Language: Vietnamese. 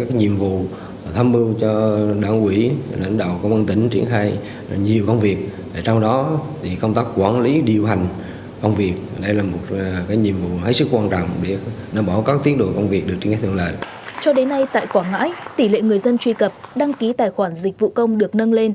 cho đến nay tại quảng ngãi tỷ lệ người dân truy cập đăng ký tài khoản dịch vụ công được nâng lên